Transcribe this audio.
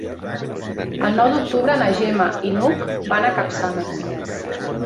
El nou d'octubre na Gemma i n'Hug van a Capçanes.